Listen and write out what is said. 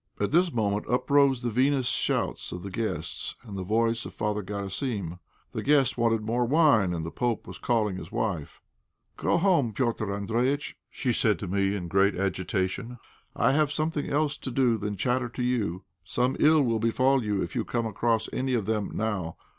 At this moment up rose the vinous shouts of the guests and the voice of Father Garasim. The guests wanted more wine, and the pope was calling his wife. "Go home, Petr' Andréjïtch," she said to me, in great agitation, "I have something else to do than chatter to you. Some ill will befall you if you come across any of them now.